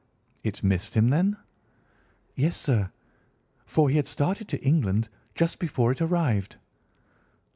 "It missed him, then?" "Yes, sir; for he had started to England just before it arrived."